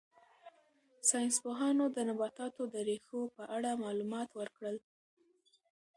ساینس پوهانو د نباتاتو د ریښو په اړه معلومات ورکړل.